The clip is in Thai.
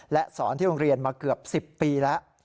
และสอนที่โรงเรียนมาเกือบ๑๐ปีแล้ว